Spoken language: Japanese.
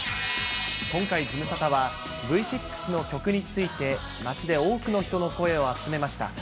今回、ズムサタはＶ６の曲について街で多くの人を声を集めました。